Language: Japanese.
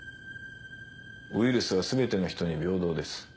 ウイルスは全ての人に平等です。